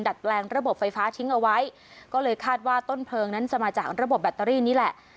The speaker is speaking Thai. แปลงระบบไฟฟ้าทิ้งเอาไว้ก็เลยคาดว่าต้นเพลิงนั้นจะมาจากระบบแบตเตอรี่นี่แหละ